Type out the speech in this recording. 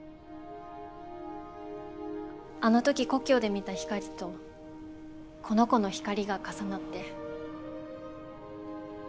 あの時故郷で見た光とこの子の光が重なって。